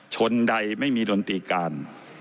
ชนใดไม่มีดนตรีการ